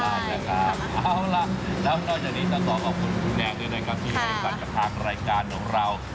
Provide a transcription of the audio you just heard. เอาล่ะแล้วนอกจากนี้ต้องตอบขอบคุณแนนด้วยนะครับที่ให้กันกับทางรายการของเรา